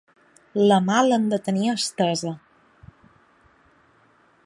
La mà l’hem de tenir estesa.